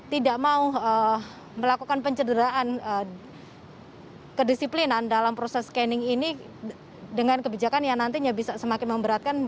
tidak mau melakukan pencederaan kedisiplinan dalam proses scanning ini dengan kebijakan yang nantinya bisa semakin memberatkan